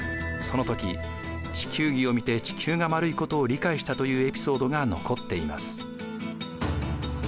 その時地球儀を見て地球が丸いことを理解したというエピソードが残っています。